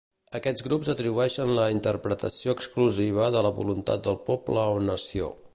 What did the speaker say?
Aquests grups atribueixen la interpretació exclusiva de la voluntat del poble o nació.